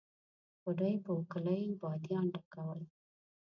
بوډۍ په اوکلۍ باديان ټکول.